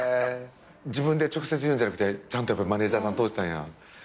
自分で直接言うんじゃなくてちゃんとマネジャーさん通したんや。